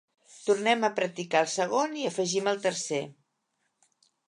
Tornem a practicar el segon i afegim el tercer.